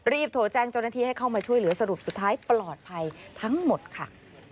โทรแจ้งเจ้าหน้าที่ให้เข้ามาช่วยเหลือสรุปสุดท้ายปลอดภัยทั้งหมดค่ะ